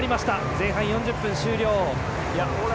前半４０分終了。